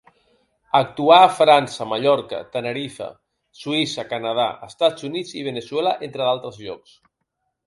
Actuà a França, Mallorca, Tenerife, Suïssa, Canadà, Estats Units i Veneçuela entre altres llocs.